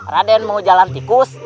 raden mau jalan tikus